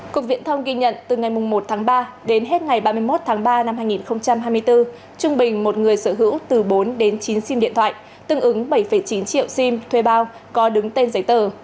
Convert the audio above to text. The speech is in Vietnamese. cục viễn thông ghi nhận từ ngày một tháng ba đến hết ngày ba mươi một tháng ba năm hai nghìn hai mươi bốn trung bình một người sở hữu từ bốn đến chín sim điện thoại tương ứng bảy chín triệu sim thuê bao có đứng tên giấy tờ